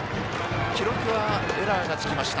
記録はエラーがつきました。